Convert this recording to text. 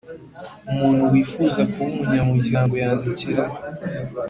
Umuntu wifuza kuba umunyamuryango yandikira